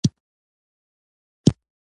تودوخه ډیره ده